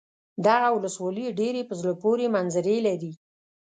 دغه ولسوالي ډېرې په زړه پورې منظرې لري.